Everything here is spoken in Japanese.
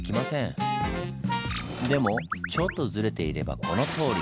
でもちょっとズレていればこのとおり。